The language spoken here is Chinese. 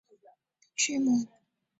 危地马拉内战正式拉开序幕。